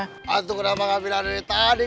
ya tentu kenapa gak bilang dari tadi